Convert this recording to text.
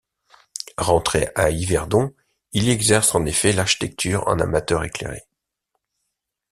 Rentré à Yverdon, il y exerce en effet l’architecture en amateur éclairé.